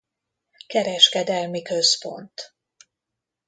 Kereskedelmi központ.